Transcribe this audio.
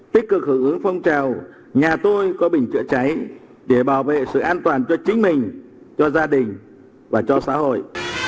tích cực hưởng ứng phong trào nhà tôi có bình chữa cháy để bảo vệ sự an toàn cho chính mình cho gia đình và cho xã hội